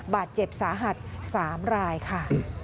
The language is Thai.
บาดเจ็บสาหัส๓รายค่ะ